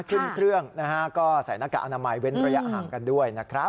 ขึ้นเครื่องนะฮะก็ใส่หน้ากากอนามัยเว้นระยะห่างกันด้วยนะครับ